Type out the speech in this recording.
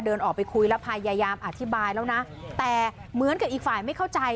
เดินออกไปคุยแล้วพยายามอธิบายแล้วนะแต่เหมือนกับอีกฝ่ายไม่เข้าใจ